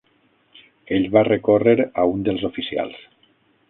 Ell va recórrer a un dels oficials.